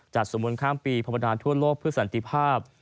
จัดสมุนข้างปีพรภัฐานทั่วโลกเพื่อสันติภาพ